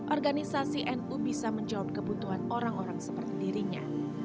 organisasi nu bisa menjawab kebutuhan orang orang seperti dirinya